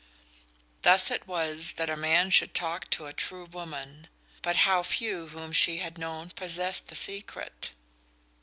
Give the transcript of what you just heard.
Thus it was that a man should talk to a true woman but how few whom she had known possessed the secret!